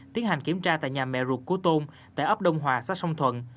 tiến hành kiểm tra tại nhà mẹ ruột của tôn tại ấp đông hòa xã song thuận